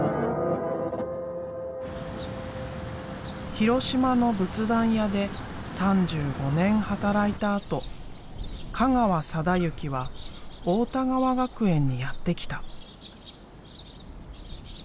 広島の仏壇屋で３５年働いたあと香川定之は太田川学園にやって来た。